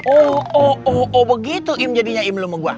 oh oh oh oh begitu im jadinya im lume gua